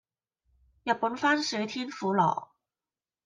日本番薯天婦羅